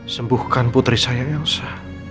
sembuhkan putri saya yang sah